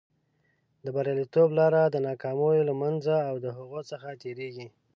د بریالیتوب لاره د ناکامیو له منځه او د هغو څخه تېرېږي.